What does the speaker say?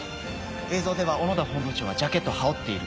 映像では小野田本部長はジャケットを羽織っている。